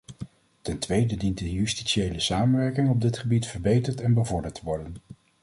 Ten tweede dient de justitiële samenwerking op dit gebied verbeterd en bevorderd te worden.